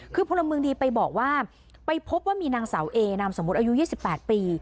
คือพลเมืองดีไปบอกว่าไปพบว่ามีนางสาวเอนามสมมุติอายุ๒๘ปี